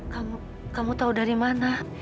kamu tahu dari mana